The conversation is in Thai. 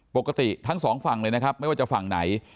ปกติทั้งสองฝั่งเลยนะครับไม่ว่าจะฝั่งไหน